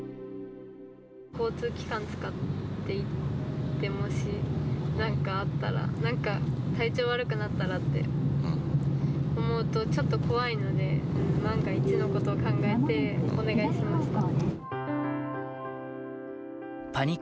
交通機関使って行って、もしなんかあったら、なんか体調悪くなったらって思うと、ちょっと怖いので、万が一のことを考えて、お願いしました。